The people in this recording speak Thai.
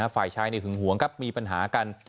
ฝ่ายชายหึงหวงครับมีปัญหากัน